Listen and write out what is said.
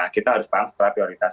kita harus paham setelah prioritas